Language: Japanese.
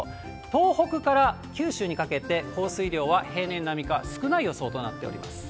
東北から九州にかけて、降水量は平年並みか少ない予想となっております。